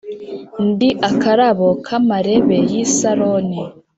Ndi akarabo k’amarebe y’i Saroni